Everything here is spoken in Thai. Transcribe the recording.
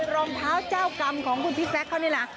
รองเท้าเจ้ากรรมของคุณพี่แซคเขานี่แหละ